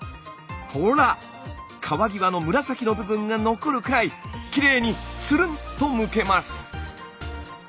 皮際の紫の部分が残るくらいきれいにつるん！とむけます。